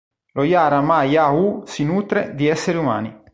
Lo Yara-ma-yha-who si nutre di esseri umani.